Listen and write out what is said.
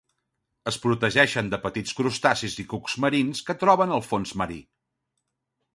Es protegeixen de petits crustacis i cucs marins que troben al fons marí.